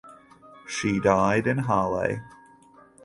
She died in Halle.